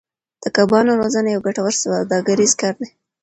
د کبانو روزنه یو ګټور سوداګریز کار دی.